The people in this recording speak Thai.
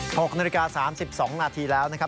หกนาฬิกาสามสิบสองนาทีแล้วนะครับ